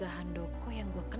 kucing yang mau nuker